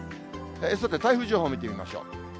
さて台風情報見てみましょう。